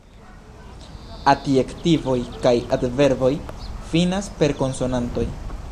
Adjektivoj kaj adverboj finas per konsonantoj.